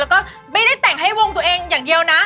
แล้วก็ไม่ได้แต่งให้วงตัวเองอย่างเดียวนะ